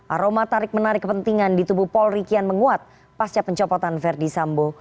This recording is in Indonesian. aroma tarik menarik kepentingan di tubuh polri kian menguat pasca pencopotan verdi sambo